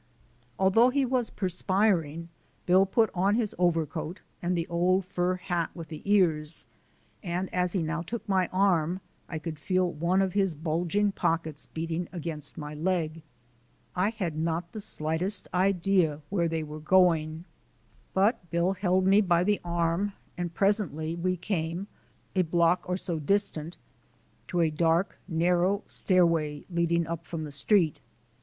Although he was perspiring, Bill put on his overcoat and the old fur hat with the ears, and as he now took my arm I could feel one of his bulging pockets beating against my leg. I had not the slightest idea where they were going, but Bill held me by the arm and presently we came, a block or so distant, to a dark, narrow stairway leading up from the street.